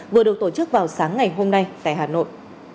vừa được tổ chức vào sáng ngày hôm nay tại hà nội